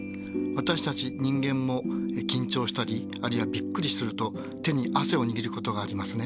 私たち人間も緊張したりあるいはびっくりすると手に汗を握ることがありますね。